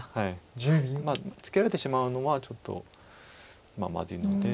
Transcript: ツケられてしまうのはちょっとまあまずいので。